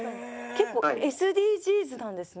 結構ＳＤＧｓなんですね。